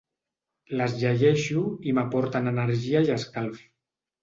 Les llegeixo i m’aporten energia i escalf.